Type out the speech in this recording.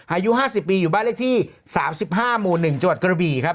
อายุ๕๐ปีอยู่บ้านเลขที่๓๕หมู่๑จังหวัดกระบี่ครับ